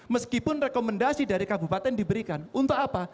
meskipun rekomendasi dari kabupaten diberikan untuk apa